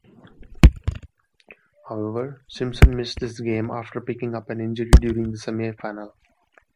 However, Simpson missed this game after picking up an injury during the semi-final.